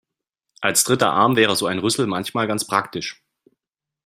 Als dritter Arm wäre so ein Rüssel manchmal ganz praktisch.